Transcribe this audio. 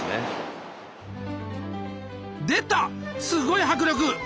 すごい迫力！